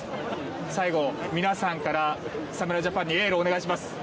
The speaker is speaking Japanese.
最後、皆さんから侍ジャパンにエールをお願いします。